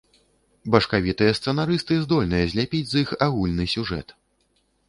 Башкавітыя сцэнарысты здольныя зляпіць з іх агульны сюжэт.